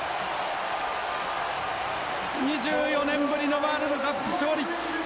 ２４年ぶりのワールドカップ勝利。